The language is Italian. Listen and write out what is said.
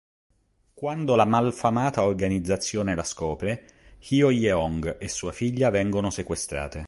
Quando la malfamata organizzazione la scopre, Hyo-jeong e sua figlia vengono sequestrate.